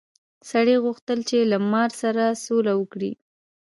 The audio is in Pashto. سړي غوښتل چې له مار سره سوله وکړي.